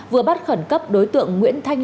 vừa bắt khẩn cấp đối tượng nguyễn thanh